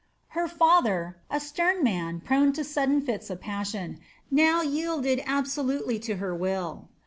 Her father, a stern man prone to sudden fits of passion, now yielded absolutely to her will.